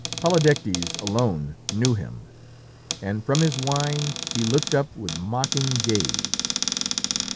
Polydectes alone knew him, and from his wine he looked up with mocking gaze.